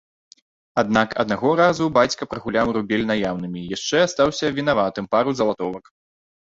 Аднак аднаго разу бацька прагуляў рубель наяўнымі, яшчэ астаўся вінаватым пару залатовак.